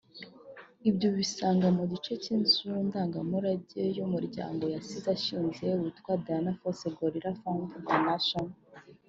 Ibyo ubisanga mu gice cy’inzu ndagamurage y’umuryango yasize ashinze witwa Dian Fossey Gorilla Fund International